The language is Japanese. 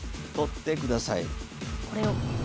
これを。